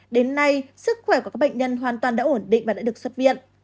đến nay sức khỏe của các bệnh nhân hoàn toàn đã ổn định và đã được xuất viện